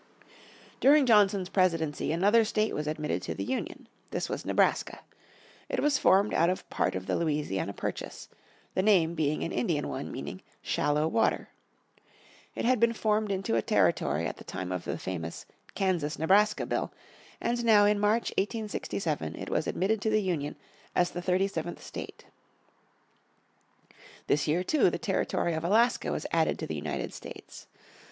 During Johnson's Presidency another state was admitted to the Union. This was Nebraska. It was formed out of part of the Louisiana Purchase, the name being an Indian one meaning "shallow water." It had been formed into a territory at the time of the famous Kansas Nebraska Bill, and now in March, 1867, it was admitted to the Union as the 37th State. This year too, the territory of Alaska was added to the United States.